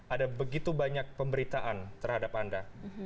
ada begitu banyak pemberitaan terhadap anda